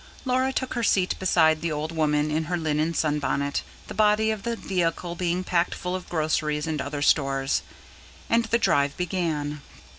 Laura took her seat beside the old woman in her linen sunbonnet, the body of the vehicle being packed full of groceries and other stores; and the drive began.